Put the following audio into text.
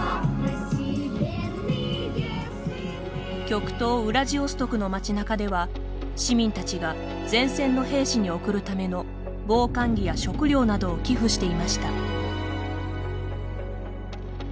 極東ウラジオストクの街なかでは市民たちが前線の兵士に送るための防寒着や食料などを寄付していました。